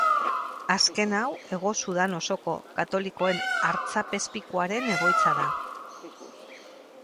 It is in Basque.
Azken hau Hego Sudan osoko katolikoen artzapezpikuaren egoitza da.